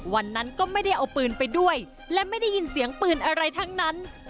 วันนั้นก็ไม่ได้เอาปืนไปด้วยและไม่ได้ยินเสียงปืนอะไรทั้งนั้น